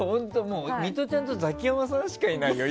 ミトちゃんとザキヤマさんしかいないよ。